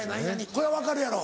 これ分かるやろ？